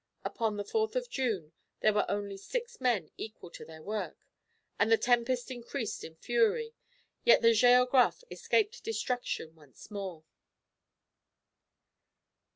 Upon the 4th of June there were only six men equal to their work, and the tempest increased in fury, yet the Géographe escaped destruction once more!